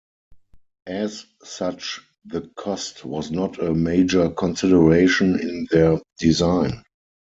As such, the cost was not a major consideration in their design.